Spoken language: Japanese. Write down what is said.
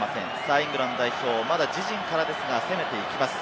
イングランド代表、まず自陣からですが攻めていきます。